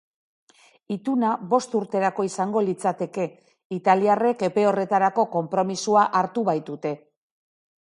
Ituna bost urterako izango litzateke, italiarrek epe horretarako konpromisoa hartu baitute.